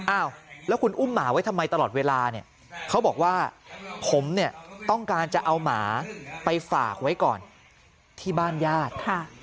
อ้าวแล้วคุณอุ้มหมาไว้ทำไมตลอดเวลาเนี่ยเขาบอกว่าผมเนี่ยต้องการจะเอาหมาไปฝากไว้ก่อนที่บ้านญาติ